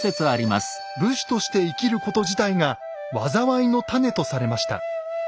武士として生きること自体が災いの種とされました。